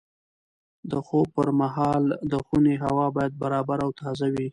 د خوب پر مهال د خونې هوا باید برابره او تازه وي.